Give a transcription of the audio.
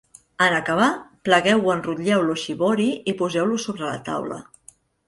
En acabar, plegueu o enrotlleu l'oshibori i poseu-lo sobre la taula.